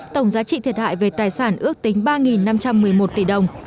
tổng giá trị thiệt hại về tài sản ước tính ba năm trăm một mươi một tỷ đồng